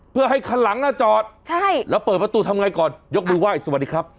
เพื่อให้คันหลังน่ะจอดใช่แล้วเปิดประตูทำไงก่อนยกมือไหว้สวัสดีครับ